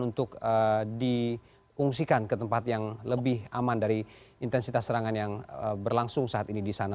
untuk diungsikan ke tempat yang lebih aman dari intensitas serangan yang berlangsung saat ini di sana